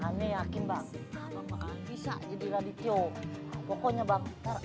aneh yakin bang bisa jadi lebih cowok pokoknya bang abang